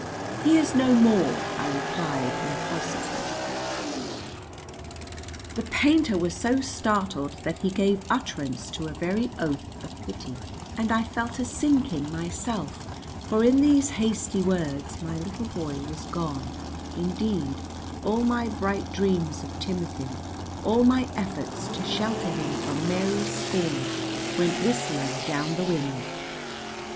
"He is no more," I replied impulsively. The painter was so startled that he gave utterance to a very oath of pity, and I felt a sinking myself, for in these hasty words my little boy was gone, indeed; all my bright dreams of Timothy, all my efforts to shelter him from Mary's scorn, went whistling down the wind.